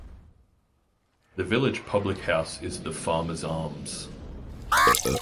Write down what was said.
The village public house is "The Farmer's Arms".